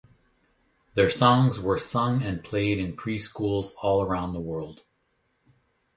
Their songs were sung and played in pre-schools all around the world.